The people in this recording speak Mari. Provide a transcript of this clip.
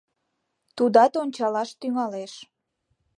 Тудат ончалаш тӱҥалеш.